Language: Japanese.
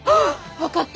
分かった。